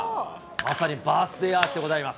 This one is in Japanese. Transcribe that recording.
まさにバースデーアーチでございます。